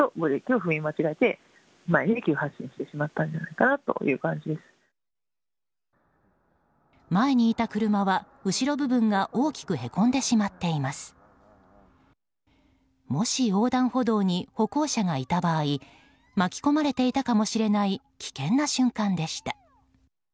もし横断歩道に歩行者がいた場合巻き込まれていたかもしれない危険な瞬間でした。